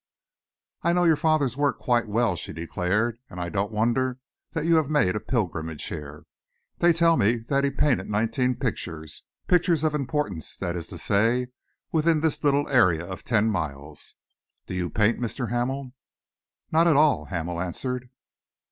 "I know your father's work quite well," she declared, "and I don't wonder that you have made a pilgrimage here. They tell me that he painted nineteen pictures pictures of importance, that is to say within this little area of ten miles. Do you paint, Mr. Hamel?" "Not at all," Hamel answered.